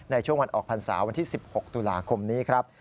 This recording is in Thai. ในช่วงวันออกพรรษาวันที่๑๖ตุลาคมนี้ครับ